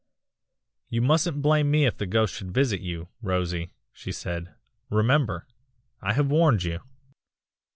"'You mustn't blame me if the ghost should visit you, Rosie,' she said; 'remember I have warned you.